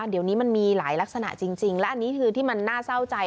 เดี๋ยวนี้มันมีหลายลักษณะจริงและอันนี้คือที่มันน่าเศร้าใจ